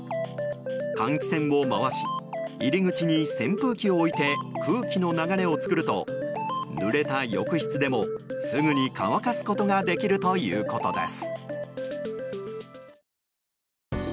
換気扇を回し入り口に扇風機を置いて空気の流れを作るとぬれた浴室でもすぐに乾かすことができるということです。